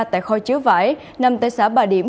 tại kho chứa vải nằm tại xã bà điểm